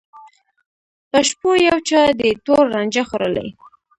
په شپو یو چا دي تور رانجه خوړلي